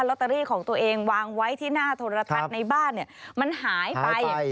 อตเตอรี่ของตัวเองวางไว้ที่หน้าโทรทัศน์ในบ้านมันหายไป